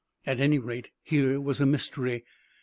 At any rate, here was a mystery.